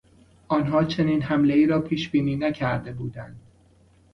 آنها چنین حملهای را پیشبینی نکرده بودند.